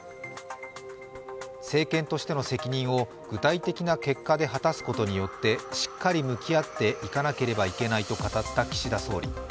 政権としての責任を具体的な結果で果たすことによってしっかり向き合っていかなければいけないと語った岸田総理。